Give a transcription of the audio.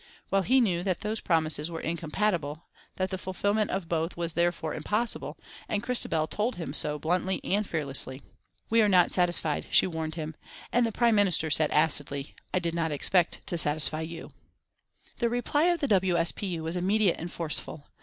Well he knew that those promises were incompatible, that the fulfilment of both was therefore impossible, and Christabel told him so bluntly and fearlessly. "We are not satisfied," she warned him, and the Prime Minister said acidly: "I did not expect to satisfy you." The reply of the W. S. P. U. was immediate and forceful.